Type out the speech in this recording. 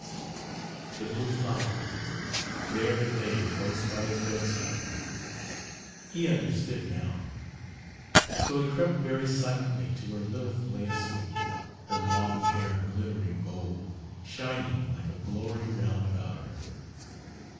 The blue flower there it lay close by his bedside he understood now; so he crept very silently to where Lilith lay asleep, her long hair glistening gold, shining like a glory round about her.